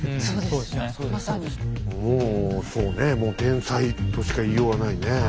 もうそうねもう天才としか言いようがないね。